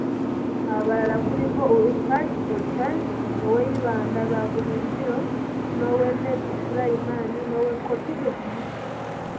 Abalala kuliko ow'e Apac, Ochan, ow'e Ibanda, Rwaburindore, n'owe Nebbi, Sulaiman n'owe Kotido Lokii.